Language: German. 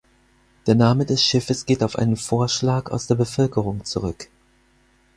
Der Name des Schiffes geht auf einen Vorschlag aus der Bevölkerung zurück.